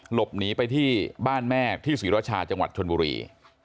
หลบหนีไปที่บ้านแม่ที่ศรีรชาจังหวัดชนบุรี